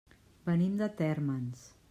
Venim de Térmens.